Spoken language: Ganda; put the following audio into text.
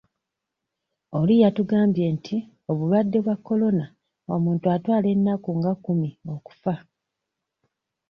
Oli yatugambye nti obulwadde bwa Corona omuntu atwala ennaku nga kkumi okufa.